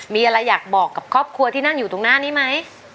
มีอะไรอยากบอกกับครอบครัวที่นั่งอยู่ตรงหน้านี้ไหม